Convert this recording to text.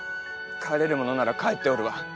帰れるものなら帰っておるわ。